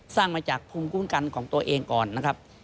สร้างมาจากภูมิคุ้มกันของตัวเองก่อนนะครับ